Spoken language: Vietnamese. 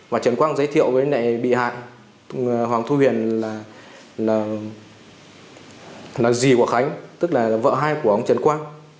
và trần quang giới thiệu với bị hại hoàng thu huyền là dì của khánh tức là vợ hai của ông trần quang